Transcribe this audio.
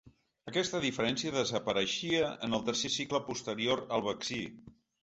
Aquesta diferència desapareixia en el tercer cicle posterior al vaccí.